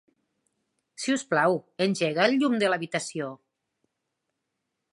Si us plau, engega el llum de l'habitació.